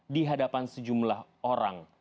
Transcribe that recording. di hadapan sejumlah orang